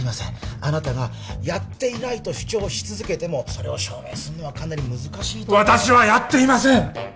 あなたがやっていないと主張し続けてもそれを証明するのは難しいと私はやっていません！